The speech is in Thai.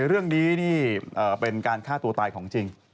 เรื่องนี้นี่เป็นการฆ่าตัวตายของจริง